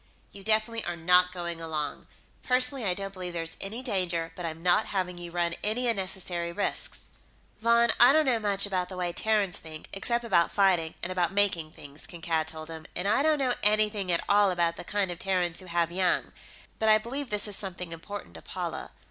"You definitely are not going along. Personally, I don't believe there's any danger, but I'm not having you run any unnecessary risks...." "Von, I don't know much about the way Terrans think, except about fighting and about making things," Kankad told him. "And I don't know anything at all about the kind of Terrans who have young. But I believe this is something important to Paula.